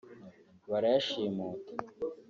barayashimuta